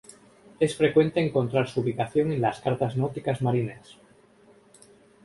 Es frecuente encontrar su ubicación en las cartas náuticas marinas.